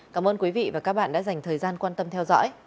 cảm ơn quý vị và các bạn đã dành thời gian quan tâm theo dõi